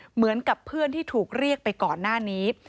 เหมือนกับเพื่อนที่ถูกเรียกไปก่อนหน้านี้